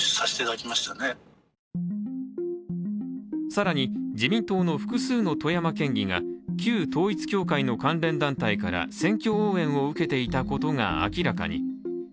更に、自民党の複数の富山県議が旧統一教会の関連団体から、選挙応援を受けていたことが明らかに。